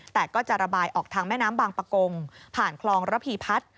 แต่ก็จะระบายออกทางแม่น้ำบางประกงผ่านคลองระพีพัฒน์